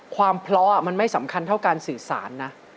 ความเพราะมันไม่สำคัญเท่าการสื่อสารนะ